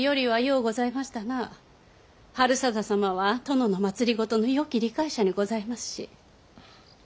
治済様は殿の政のよき理解者にございますし。